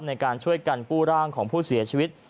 ในการช่วยกันกู้ร่างของผู้เสียชีวิต